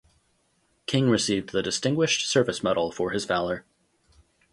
King received the Distinguished Service Medal for his valor.